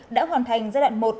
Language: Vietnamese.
đã hoàn thành giai đoạn một